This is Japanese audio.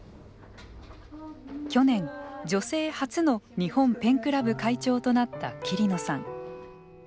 去年、女性初の日本ペンクラブ会長となった桐野さん。